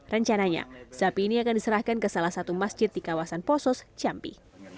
rencananya sapi ini akan diserahkan ke salah satu masjid di kawasan posos jambi